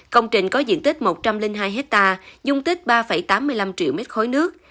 công trình có diện tích một trăm linh hai hectare dung tích ba tám mươi năm triệu m ba nước